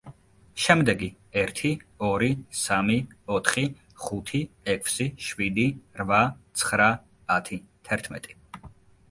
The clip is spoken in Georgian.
შემდეგი: ერთი, ორი, სამი, ოთხი, ხუთი, ექვსი, შვიდი, რვა, ცხრა, ათი, თერთმეტი.